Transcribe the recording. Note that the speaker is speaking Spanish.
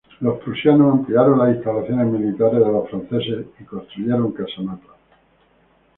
Los prusianos ampliaron las instalaciones militares de los franceses y construyeron casamatas.